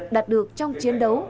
đạt được trong chiến đấu